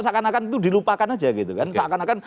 seakan akan itu dilupakan aja gitu kan seakan akan